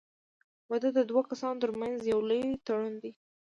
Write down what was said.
• واده د دوه کسانو تر منځ یو لوی تړون دی.